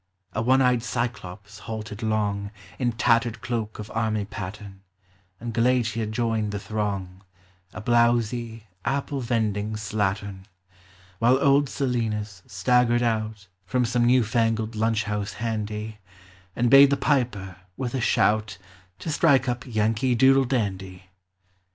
A one eyed Cyclops halted lon<r In tattered cloak of army pattern, And Galatea joined tin throng, — A blowsy, apple vending slattern ; While old Sileinis staggered out From some new fangled Lunch house handy, And hade the piper, with a shout, To strike up Yankee Doodle Dandy